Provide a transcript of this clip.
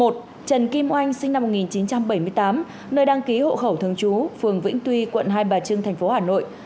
một trần kim oanh sinh năm một nghìn chín trăm bảy mươi tám nơi đăng ký hộ khẩu thường trú phường vĩnh tuy quận hai bà trưng tp hà nội